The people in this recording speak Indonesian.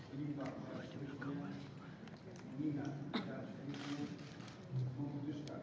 kepala badan intelijen negara kepala badan intelijen negara